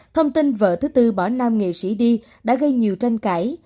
thông tin vợ thứ tư bỏ nam nghệ sĩ đi đã gây nhiều tranh cãi